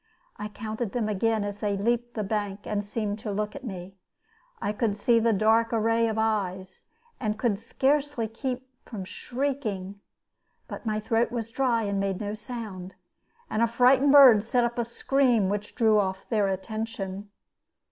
I counted them again as they leaped the bank and seemed to look at me. I could see the dark array of eyes, and could scarcely keep from shrieking. But my throat was dry and made no sound, and a frightened bird set up a scream, which drew off their attention.